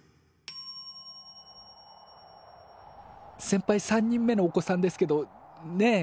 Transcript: せんぱい３人目のお子さんですけどねえ